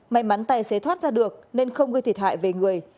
may mắn tài xế thoát ra được nên không gây thiệt hại về người